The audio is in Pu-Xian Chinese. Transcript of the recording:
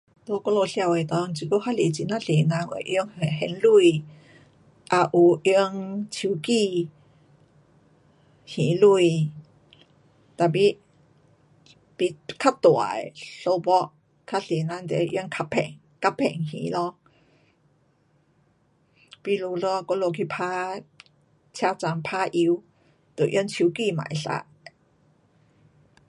在我们社会里，这久还是很呀多人还用现钱，也有用手机还钱。tapi 比，较大的数目较多人就会用卡片，卡片还咯。比如咯，我们去打，车站打油就用手机也可以 um。